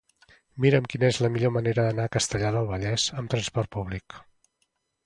Mira'm quina és la millor manera d'anar a Castellar del Vallès amb trasport públic.